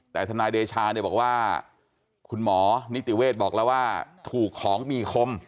แต่ทนายเดชาเนี่ยบอกว่าคุณหมอนิติเวศบอกแล้วว่าถูกของมีคม